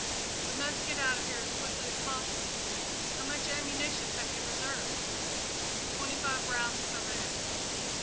"We must get out of here as quickly as possible. How much ammunition have you reserved?" "Twenty five rounds per man."